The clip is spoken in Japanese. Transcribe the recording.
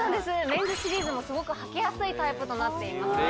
メンズシリーズもすごく履きやすいタイプとなっていますね